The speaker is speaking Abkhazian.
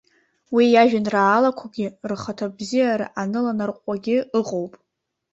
Уи, иажәеинраалақәагьы рхаҭабзиара аныланарҟәуагьы ыҟоуп.